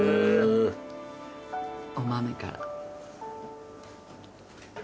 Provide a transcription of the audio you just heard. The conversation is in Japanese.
お豆から。